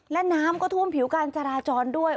และน้ำก็ท่วมผิวการจราจรด้วย